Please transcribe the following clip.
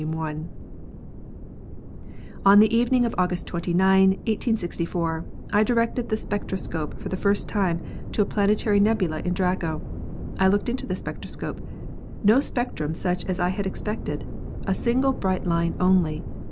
I : "On the evening of August 29, 1864, I directed the spec troscope for the first time to a planetary nebula in Draco. I looked into the spectroscope. No spectrum such as I had expected ! A single bright line only